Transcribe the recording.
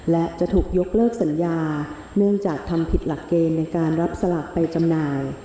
และจะถูกยกเลิกสัญญาเนื่องจากทำผิดหลักเกณฑ์ในการรับสลากไปจำหน่าย